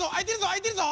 あいてるぞ！